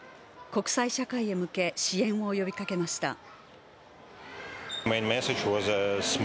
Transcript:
国際社会へ向け支援を呼びかけました。